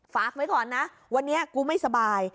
ฝากไว้ก่อนนะวันนี้กูไม่สบาย